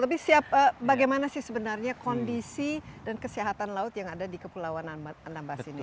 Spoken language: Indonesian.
tapi bagaimana sih sebenarnya kondisi dan kesehatan laut yang ada di kepulauan anambas ini